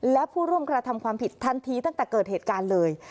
และผู้ร่วมกระทำความผิดทันทีตั้งแต่เกิดเหตุการณ์เลย